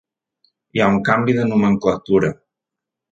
Hi ha un canvi de nomenclatura.